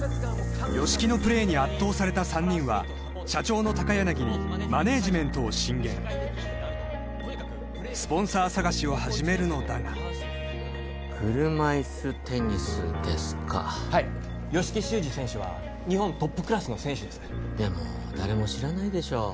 吉木のプレーに圧倒された３人は社長の高柳にマネージメントを進言スポンサー探しを始めるのだが車いすテニスですかはい吉木修二選手は日本トップクラスの選手ですでも誰も知らないでしょう